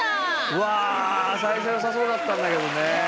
うわあ最初良さそうだったんだけどね。